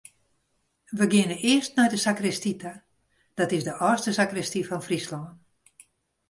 We geane earst nei de sakristy ta, dat is de âldste sakristy fan Fryslân.